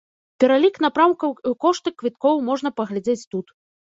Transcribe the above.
Пералік напрамкаў і кошты квіткоў можна паглядзець тут.